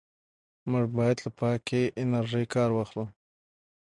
موږ باید له پاکې انرژۍ کار واخلو.